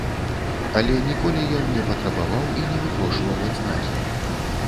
Але ніколі ён не патрабаваў і не выпрошваў адзнакі!